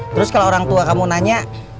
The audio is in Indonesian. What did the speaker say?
terus kalau orangtua kamu nanya